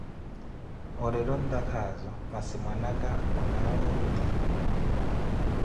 Orette ontakhazo, masi mwana aka onaawe oruti!